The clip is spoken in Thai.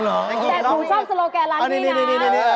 แต่ผมชอบโซโลแกรร้านที่นี้นะ